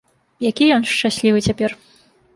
Які ён шчаслівы цяпер!